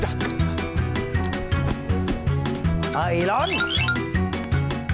หรือใครกำลังร้อนเงิน